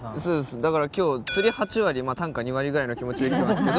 だから今日釣り８割短歌２割ぐらいの気持ちで来てますけど。